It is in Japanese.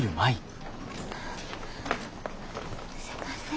すいません。